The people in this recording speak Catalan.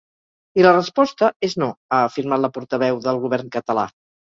I la resposta és no, ha afirmat la portaveu del govern català.